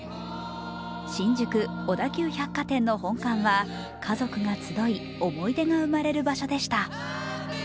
新宿・小田急百貨店の本館は家族が集い、思い出が生まれる場所でした。